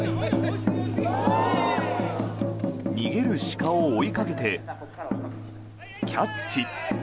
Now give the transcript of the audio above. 逃げる鹿を追いかけてキャッチ。